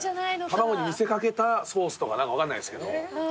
卵に見せ掛けたソースとか分かんないですけど。